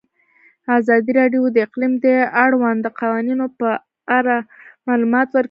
ازادي راډیو د اقلیم د اړونده قوانینو په اړه معلومات ورکړي.